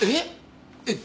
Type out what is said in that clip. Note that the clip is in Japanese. えっ？